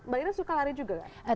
mbak ira suka lari juga gak